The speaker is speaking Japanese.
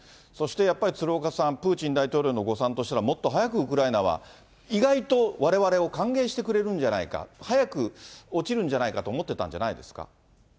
そしてやっぱり鶴岡さん、プーチン大統領の誤算としたら、もっと早くウクライナは、意外とわれわれを歓迎してくれるんじゃないか、早く落ちるんじゃないかと思ってたんじゃないですか。